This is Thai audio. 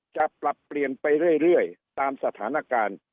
จะปรับเปลี่ยนไปเรื่อยตามสถานการณ์